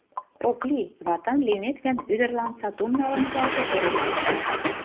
Ок лий: ватан лийнет гын, ӱдырлан сатум налын пуашет верештеш.